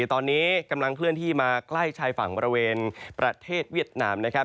ตอนนี้กำลังเคลื่อนที่มาใกล้ชายฝั่งบริเวณประเทศเวียดนามนะครับ